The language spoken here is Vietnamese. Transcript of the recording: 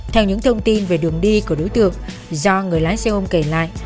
theo những thông tin về đường đi của đối tượng do người lái xe ôm kể lại